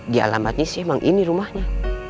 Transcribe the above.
di alamatnya sih emang ini rumahnya